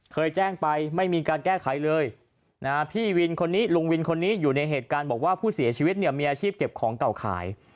เคยแจ้งไปไม่มีการแก้ไขเลยนะฮะพี่วินคนนี้ลุงวินคนนี้อยู่ในเหตุการณ์บอกว่าผู้เสียชีวิตเนี่ยมีอาชีพเก็บของเก่าขาย